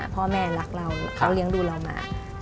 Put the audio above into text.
พ่อแม่รักเราเค้าเลี้ยงดูเรามายุ่นมา